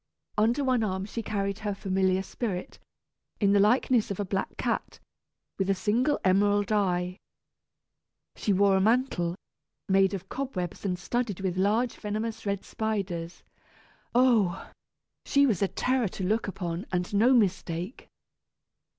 Under one arm she carried her familiar spirit, in the likeness of a black cat, with a single emerald eye. She wore a mantle, made of cobwebs and studded with large venomous red spiders. Oh! she was a terror to look upon, and no mistake!